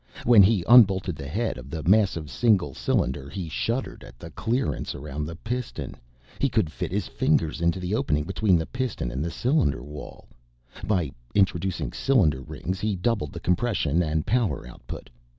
When he unbolted the head of the massive single cylinder he shuddered at the clearance around the piston; he could fit his fingers into the opening between the piston and the cylinder wall; by introducing cylinder rings he doubled the compression and power output.